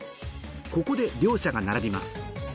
ここで両者が並びます